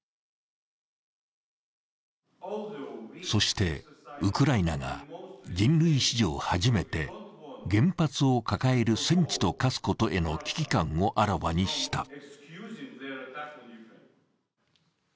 そして、ウクライナが人類史上初めて原発を抱える戦地と化すことへの危機感をあらわにした。